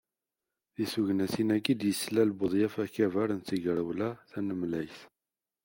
Deg tegnatin-agi i d-yeslal Buḍyaf akabar n Tegrawla Tanemlayt.